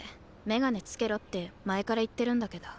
眼鏡つけろって前から言ってるんだけど。